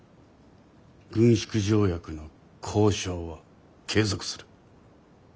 軍縮条約の交渉は継続する。